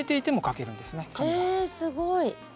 えすごい。